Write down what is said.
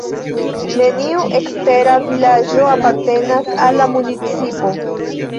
Neniu ekstera vilaĝo apartenas al la municipo.